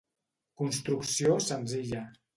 Construcció senzilla.